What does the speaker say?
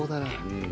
うん。